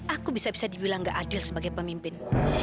aku bisa bisa dibilang gak adil sebagai pemimpin